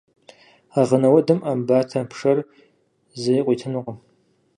Аргъынэ уэдым Ӏэмбатэ пшэр зэи къуитынукъым.